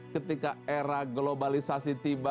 ketika era globalisasi